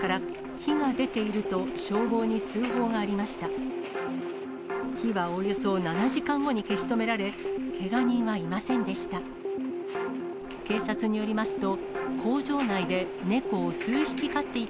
火はおよそ７時間後に消し止められ、けが人はいませんでした。